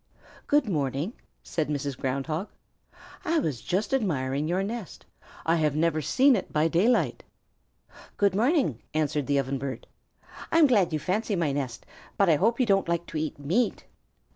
"Good morning," said Mrs. Ground Hog. "I was just admiring your nest. I have never seen it by daylight." "Good morning," answered the Ovenbird. "I'm glad you fancy my nest, but I hope you don't like to eat meat."